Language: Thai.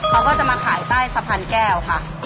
เขาก็จะมาขายใต้สะพานแก้วค่ะ